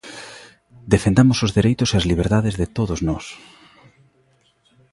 ¡Defendamos os dereitos e as liberdades de todos nós!